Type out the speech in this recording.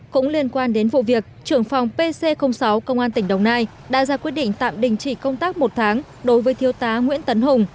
cũng liên quan đến vụ việc trưởng phòng pc sáu công an tỉnh đồng nai đã ra quyết định tạm đình chỉ công tác một tháng đối với thiếu tá nguyễn tấn hùng